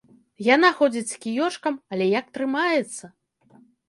Яна ходзіць з кіёчкам, але як трымаецца!